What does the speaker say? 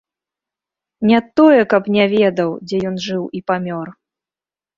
Не тое, каб не ведаў, дзе ён жыў і памёр.